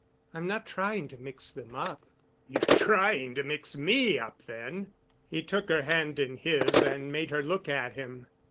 "I'm not trying to mix them up." "You're trying to mix me up then." He took her hand in his and made her look at him.